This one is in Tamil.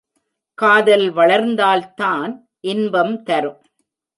காதல் வளர்ந்தால்தான் இன்பம் தரும்.